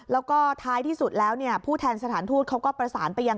แล้วก็ท้ายที่สุดแล้วผู้แทนสถานทูตเขาก็ประสานไปยัง